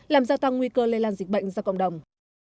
làm gia tăng nguy cơ lây lan dịch bệnh ra cộng đồng